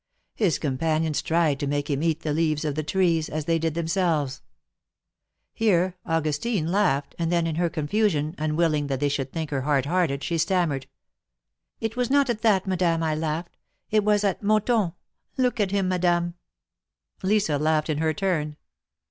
His companions tried to make him eat the leaves of the trees, as they did themselves.'^ Here Augustine laughed, and then in her confusion, unwilling that they should think her hard hearted, she stammered : "It was not at that, Madame, I laughed. It was at Monton. Look at him, Madame." Lisa laughed in her turn.